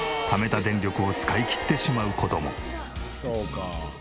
そうか。